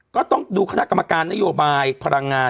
ก็ต้องดูคณะกรรมการนโยบายพลังงาน